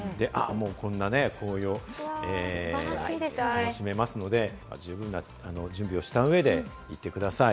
こんな紅葉も楽しめますので、準備をしっかりしたうえで行ってください。